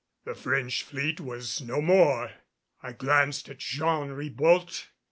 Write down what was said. The French fleet was no more! I glanced at Jean Ribault.